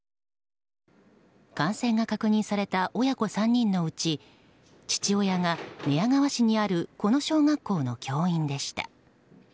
感染が確認された親子３人のうち父親が寝屋川市にあるこの小学校の教員でした。